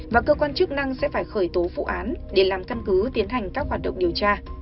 và cơ quan chức năng sẽ phải khởi tố vụ án để làm căn cứ tiến hành các hoạt động điều tra